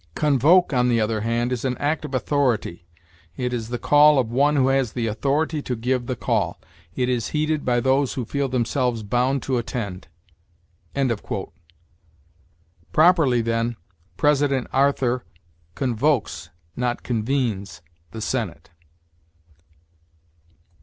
Convoke, on the other hand, is an act of authority; it is the call of one who has the authority to give the call; it is heeded by those who feel themselves bound to attend." Properly, then, President Arthur convokes, not convenes, the Senate.